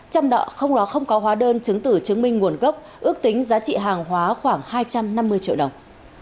trong đó không có hóa đơn chứng tử chứng minh nguồn gốc ước tính giá trị hàng hóa khoảng hai trăm năm mươi triệu đồng